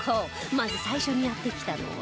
まず最初にやって来たのは